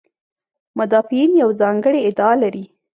مدافعین یوه ځانګړې ادعا لري.